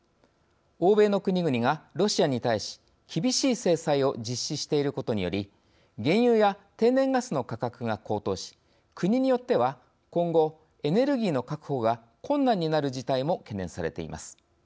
欧米の国々がロシアに対し厳しい制裁を実施していることにより原油や天然ガスの価格が高騰し国によっては今後エネルギーの確保が困難になる事態も懸念されています。